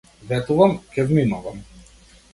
Ветувам, ќе внимавам!